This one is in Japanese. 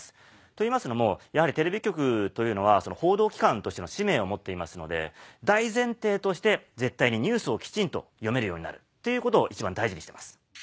と言いますのもやはりテレビ局というのは報道機関としての使命を持っていますので大前提として絶対にニュースをきちんと読めるようになるということを一番大事にしてます。